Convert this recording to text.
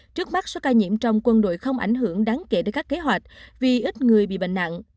trước mắt số ca nhiễm trong quân đội không ảnh hưởng đáng kể đến các kế hoạch vì ít người bị bệnh nặng